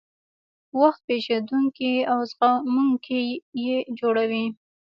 وخت پېژندونکي او زغموونکي یې جوړوي.